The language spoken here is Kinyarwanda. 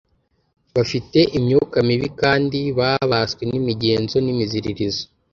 bafite imyuka mibi kandi babaswe n'imigenzo n'imiziririzo